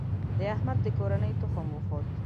د احمد د کورنۍ تخم وخوت.